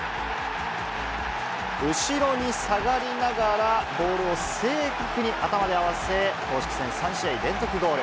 後ろに下がりながら、ボールを正確に頭で合わせ、公式戦３試合連続ゴール。